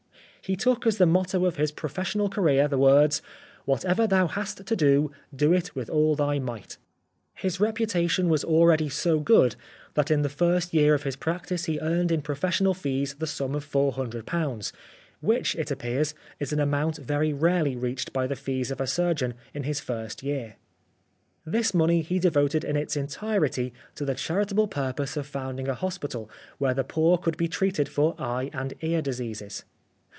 He took as the motto of his professional career, the words :" Whatever thou hast to do, do it with all thy might." His reputation was already so good, that in the first year of his practice he earned in professional fees the sum of £400, which it appears, is an amount very rarely reached by the fees of a surgeon in his first year. This money he devoted in its entirety to the charitable purpose of founding a hospital where the poor could be treated for eye and ear dis eases.